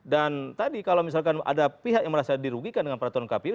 dan tadi kalau misalkan ada pihak yang merasa dirugikan dengan peraturan pkpu